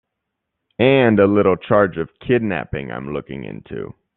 And a little charge of kidnapping I'm looking into.